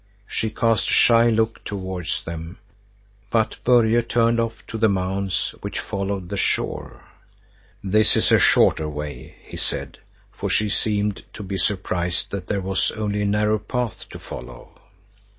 She cast a shy look towards them, but Börje turned off to the mounds which followed the shore. "This is a shorter way," he said, for she seemed to be surprised that there was only a narrow path to follow.